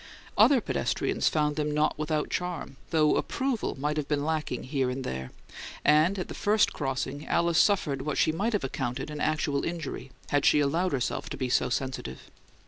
Other pedestrians found them not without charm, though approval may have been lacking here and there, and at the first crossing Alice suffered what she might have accounted an actual injury, had she allowed herself to be so sensitive.